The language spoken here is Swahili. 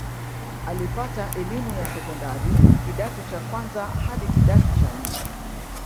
Alipata elimu ya sekondari kidato cha kwanza hadi kidato cha nne